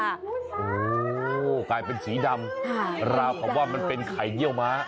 โอ้โหกลายเป็นสีดำราวคำว่ามันเป็นไข่เยี่ยวม้า